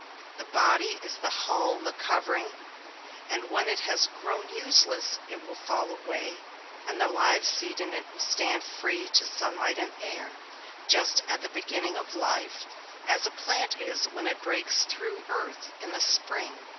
The body is the hull, the covering, and when it has grown useless it will fall away and the live seed in it will stand free to sunlight and air just at the beginning of life, as a plant is when it breaks through earth in the spring.